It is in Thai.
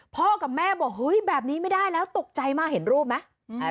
พ่อกับแม่บอกเฮ้ยแบบนี้ไม่ได้แล้วตกใจมากเห็นรูปไหม